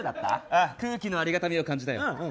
空気のありがたみを感じたよ。